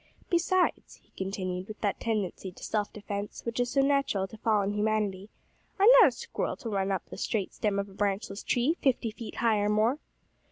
"Besides," he continued, with that tendency to self defence which is so natural to fallen humanity, "I'm not a squirrel to run up the straight stem of a branchless tree, fifty feet high or more."